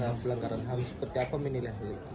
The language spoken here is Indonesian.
melanggaran ham seperti apa menilai